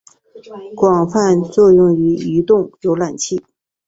广泛作用于移动浏览器。